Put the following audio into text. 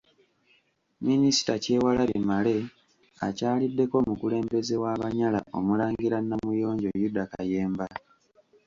Minisita Kyewalabye Male akyaliddeko omukulembeze w’Abanyala Omulangira Namuyonjo Yuda Kayemba.